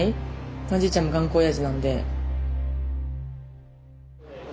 まあじいちゃんも頑固おやじなんで。